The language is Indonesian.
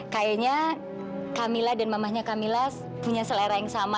kayaknya kamila dan mamahnya kamila punya selera yang sama